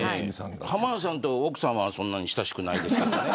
浜田さんと奥さんはそんなに親しくないですけど。